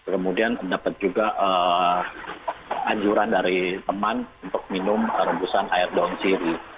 kemudian dapat juga anjuran dari teman untuk minum rebusan air daun siri